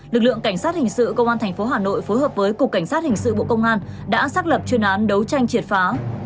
lực lượng cảnh sát hình sự công an tp hà nội phối hợp với cục cảnh sát hình sự bộ công an đã xác lập chuyên án đấu tranh triệt phá